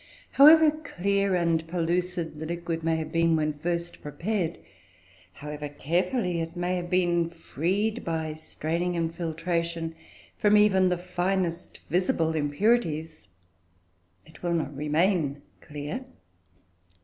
However clear and pellucid the liquid may have been when first prepared, however carefully it may have been freed, by straining and filtration, from even the finest visible impurities, it will not remain clear.